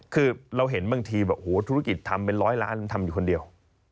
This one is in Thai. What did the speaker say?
คือเราเห็นบางทีแบบโอ้โหธุรกิจทำเป็นร้อยล้านทำอยู่คนเดียว